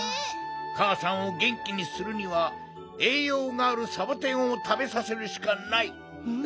かあさんをげんきにするにはえいようがあるサボテンをたべさせるしかない。